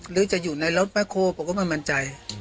หรือจะอยู่ในรถแบ็คโฮลผมก็ไม่มั่นใจ